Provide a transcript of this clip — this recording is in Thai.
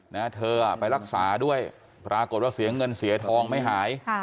นะเธอไปรักษาด้วยปรากฏว่าเสียเงินเสียทองไม่หาย